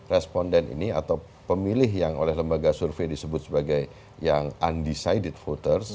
responden ini atau pemilih yang oleh lembaga survei disebut sebagai yang undecided voters